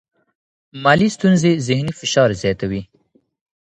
مالي ستونزې ذهنی فشار زیاتوي.